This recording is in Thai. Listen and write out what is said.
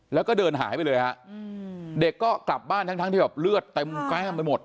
แล้วก็เดินหายไปเลยฮะเด็กก็กลับบ้านทั้งที่แบบเลือดเต็มแกล้มไปหมด